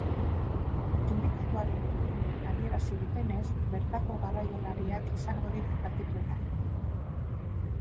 Sindikatuaren iturriek adierazi dutenez, bertako garraiolariak izango dira kaltetuenak.